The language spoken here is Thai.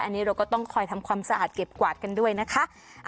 อันนี้เราก็ต้องคอยทำความสะอาดเก็บกวาดกันด้วยนะคะ